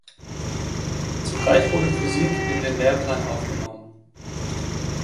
Zugleich wurde Physik in den Lehrplan aufgenommen.